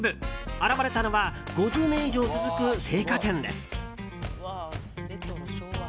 現れたのは５０年以上続く青果店です。